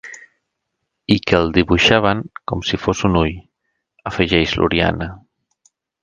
I que el dibuixaven com si fos un ull —afegeix l'Oriana.